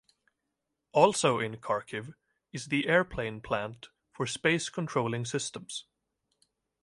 Also in Kharkiv is the Airplane plant for space controlling systems.